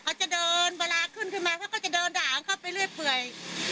เขาจะโดนเวลาขึ้นขึ้นมาเขาก็จะโดนด่าเขาไปเลือดเผื่อย